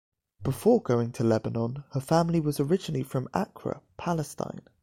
Before going to Lebanon, her family was originally from Acre, Palestine.